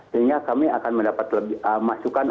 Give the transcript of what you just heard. sehingga kami akan mendapat masukan